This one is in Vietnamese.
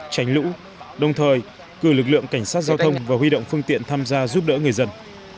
tránh lũ đồng thời cử lực lượng cảnh sát giao thông và huy động phương tiện tham gia giúp đỡ người dân